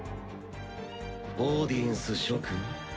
オーディエンス諸君。